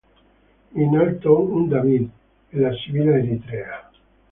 In alto un "David" e la "Sibilla Eritrea".